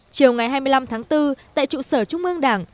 chiều ngày hai mươi năm tháng bốn tại trụ sở trung ương đảng